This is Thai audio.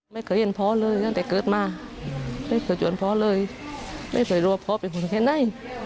ไม่เคยเห็นพ่อเลยตั้งแต่เกิดมาไม่เคยจวนพ่อเลยไม่เคยรู้ว่าพ่อเป็นคนแค่ไหน